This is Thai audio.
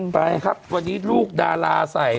ไปครับวันนี้ลูกดาราใส่